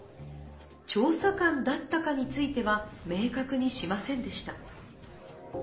調査官だったかについては明確にしませんでした。